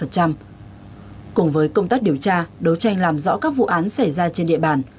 cùng với công tác điều tra đấu tranh làm rõ các vụ án xảy ra trên địa bàn